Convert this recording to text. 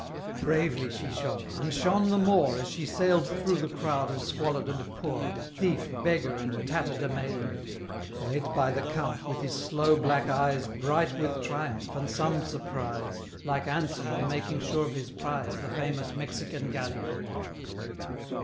Bravely she shone and shone the more As she sail'd through the crowd of squalid and poor, Thief, beggar, and tatterdemalion Led by the Count, with his sloe black eyes Bright with triumph, and some surprise, Like Anson on making sure of his prize The famous Mexican Galleon!